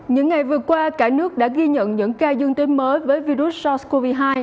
những ngày vừa qua cả nước đã ghi nhận những ca dương tính mới với virus sars cov hai